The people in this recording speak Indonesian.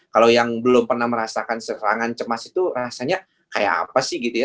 kalau yang belum pernah merasakan serangan cemas itu rasanya kayak apa sih gitu ya